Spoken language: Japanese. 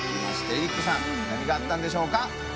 エリックさん何があったんでしょうか？